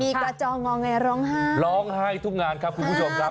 มีกระจองงอแงร้องไห้ร้องไห้ทุกงานครับคุณผู้ชมครับ